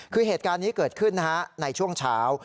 คือเหตุการณ์นี้เกิดขึ้นในช่วงเช้า